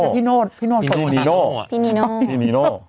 พี่นีโน่เพื่อนนีโน่